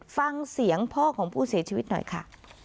ฟังเสียงพ่อของผู้เสียชีวิตหน่อยค่ะ